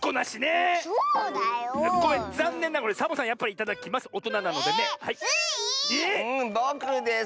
えっ⁉んぼくです！